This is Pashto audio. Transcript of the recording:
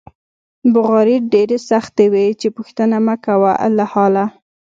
بغارې ډېرې سختې وې چې پوښتنه مکوه له حاله.